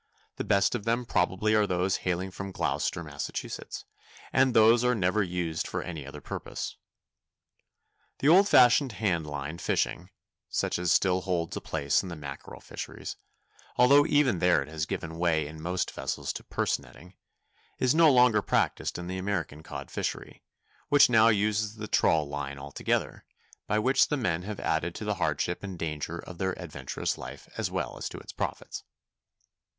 The best of them probably are those hailing from Gloucester, Mass., and these are never used for any other purpose. The old fashioned hand line fishing, such as still holds a place in the mackerel fisheries—although even there it has given way in most vessels to purse netting,—is no longer practised in the American codfishery, which now uses the trawl line altogether, by which the men have added to the hardship and danger of their adventurous life as well as to its profits.